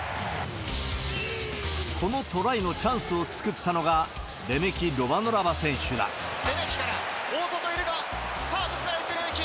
このトライのチャンスを作ったのが、レメキから、おおそとにいるのは、さあここからいく、レメキ。